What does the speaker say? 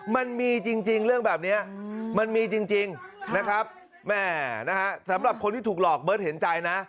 มันมีจริงเรื่องแบบนี้มันมีจริงนะครับแม่นะฮะสำหรับคนที่ถูกหลอกเบิร์ตเห็นใจนะ